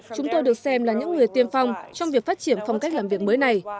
chúng tôi được xem là những người tiên phong trong việc phát triển phong cách làm việc mới này